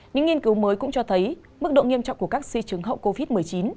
những nghiên cứu mới cũng cho thấy mức độ nghiêm trọng của các di chứng hậu covid một mươi chín